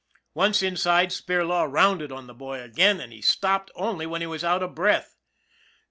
Once inside, Spirlaw rounded on the boy again, and he stopped only when he was out of breath.